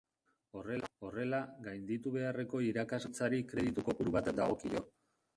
Horrela, gainditu beharreko irakasgai bakoitzari kreditu-kopuru bat dagokio.